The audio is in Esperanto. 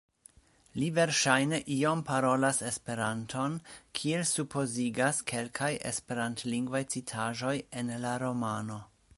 Li verŝajne iom parolas Esperanton, kiel supozigas kelkaj esperantlingvaj citaĵoj en la romano.